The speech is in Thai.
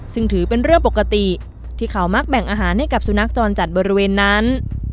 ซึ่งถือเป็นเรื่องปกติที่เขามักแบ่งอาหารให้กับสุนัขจรจัดบริเวณนั้น